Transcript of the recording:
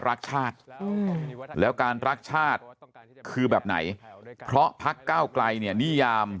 รักชาติแล้วการรักชาติคือแบบไหนเพราะพักเก้าไกลเนี่ยนิยาม